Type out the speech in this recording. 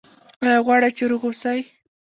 ایا غواړئ چې روغ اوسئ؟